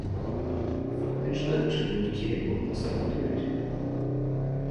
Фактычна, чыноўнікі яго сабатуюць.